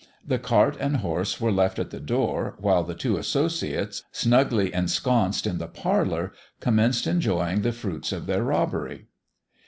The cart and horse were left at the door while the two associates, snugly ensconced in the parlour, commenced enjoying the fruits of their robbery.